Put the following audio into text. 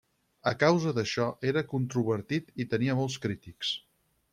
A causa d'això, era controvertit i tenia molts crítics.